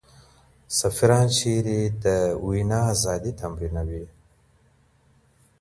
سفیران چیري د وینا ازادي تمرینوي؟